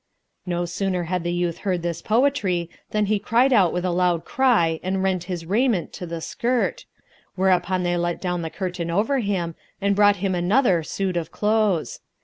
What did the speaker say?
No sooner had the youth heard this poetry than he cried out with a loud cry and rent his raiment to the skirt: whereupon they let down the curtain over him and brought him another suit of clothes.